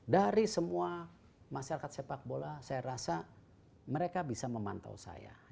dari semua masyarakat sepak bola saya rasa mereka bisa memantau saya